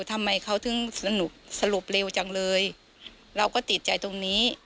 ทำไมเขาถึงสนุกสรุปเร็วจังเลยเราก็ติดใจตรงนี้